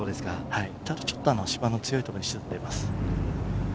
ただちょっと芝の強いところに沈んでいます。